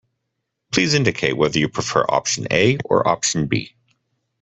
Please indicate whether you prefer option A or option B